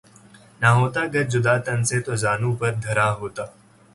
نہ ہوتا گر جدا تن سے تو زانو پر دھرا ہوتا